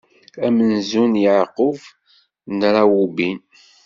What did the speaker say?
Amenzu n Yeɛqub, d Rawubin.